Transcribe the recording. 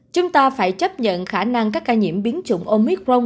chúng ta phải chấp nhận khả năng các ca nhiễm biến chủng omicron